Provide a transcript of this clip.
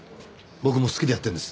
僕も好きでやってるんです。